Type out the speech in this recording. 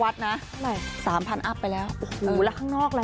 ก็ถือว่าเป็นเรื่องที่น่ายินดีนะครับ